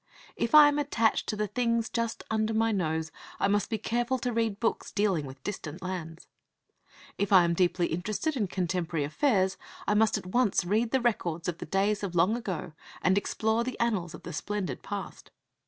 If I am attached to the things just under my nose, I must be careful to read books dealing with distant lands. If I am deeply interested in contemporary affairs, I must at once read the records of the days of long ago and explore the annals of the splendid past.